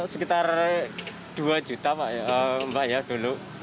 sekitar dua juta dulu